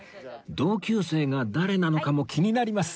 同級生が誰なのかも気になります